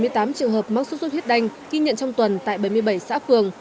một trăm bảy mươi tám trường hợp mắc xuất xuất huyết đanh ghi nhận trong tuần tại bảy mươi bảy xã phường